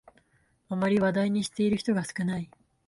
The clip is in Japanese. あまり話題にしている人が少ない